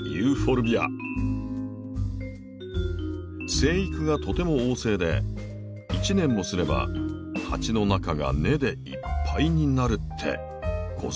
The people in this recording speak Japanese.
生育がとても旺盛で１年もすれば鉢の中が根でいっぱいになるってご存じでしたか？